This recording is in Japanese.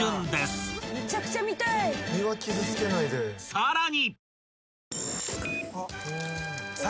［さらに］